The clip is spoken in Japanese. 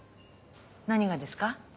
何がですか？